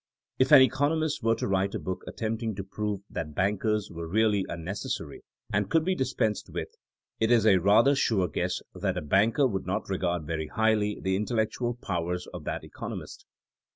K an economist were to write a book attempt ing to prove that bankers were really unneces sary and could be dispensed with, it is a rather sure guess that a banker would not regard very highly the intellectual powers of that economist.